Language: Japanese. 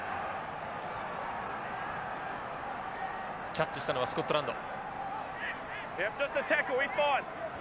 キャッチしたのはスコットランド。